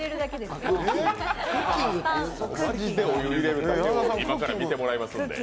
今から見てもらいます。